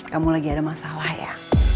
kamu lagi ada masalah ya